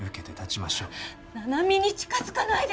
七海に近づかないで！